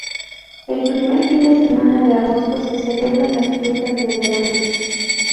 El primer fin de semana de agosto se celebran las fiestas de verano.